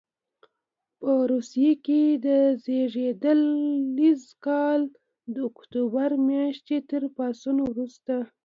په روسیې کې د زېږدیز کال د اکتوبر میاشتې تر پاڅون وروسته.